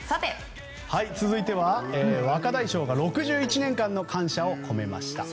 続いては、若大将が６１年間の感謝を込めました。